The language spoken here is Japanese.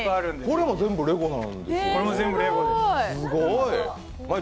これも全部レゴです。